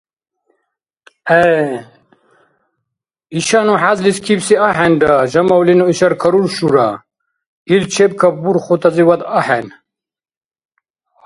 ГӀe, иша ну хӀязлис кибси axӀeнpa. Жамавли ну ишар каруршура. Ил чебкабурхутазивад axӀeн.